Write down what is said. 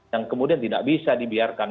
yang kemudian tidak bisa dibiarkan